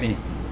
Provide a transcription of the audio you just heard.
ya di sana